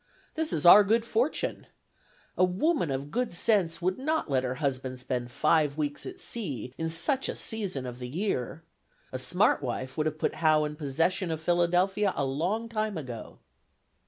This is our good fortune. A woman of good sense would not let her husband spend five weeks at sea in such a season of the year. A smart wife would have put Howe in possession of Philadelphia a long time ago."